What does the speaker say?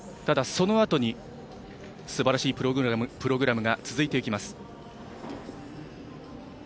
ただ、そのあとにすばらしいプログラムが続いていきます。